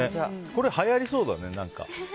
これ、はやりそうだね。